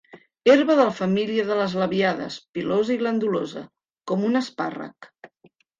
Herba de la família de les labiades, pilosa i glandulosa, com un espàrrec.